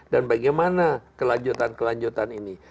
dan bagaimana kelanjutan kelanjutan ini